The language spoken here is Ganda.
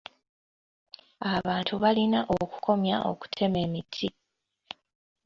Abantu balina okukomya okutema emiti.